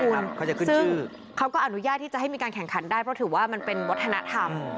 ใช่ครับเขาจะขึ้นชื่อซึ่งเขาก็อนุญาตที่จะให้มีการแข่งขันได้เพราะถือว่ามันเป็นวัฒนธรรม